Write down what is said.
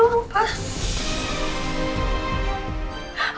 mereka udah ngacurin hidup aku pak